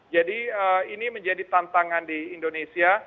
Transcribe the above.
jadi ini menjadi tantangan di indonesia